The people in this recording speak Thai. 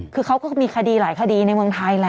คือเขาก็มีคดีหลายคดีในเมืองไทยแหละ